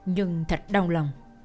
nhưng thật đau lòng